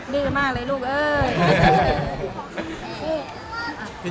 ดื้อมากเลยลูกเอ้ย